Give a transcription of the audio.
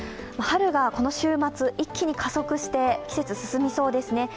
春がこの週末、一気に加速して季節が進みそうですね。